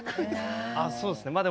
あそうっすね。